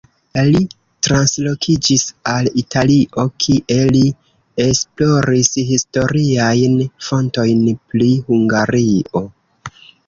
Li translokiĝis al Italio, kie li esploris historiajn fontojn pri Hungario.